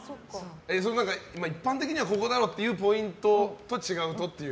一般的にはここだろっていうポイントと違うぞっていう。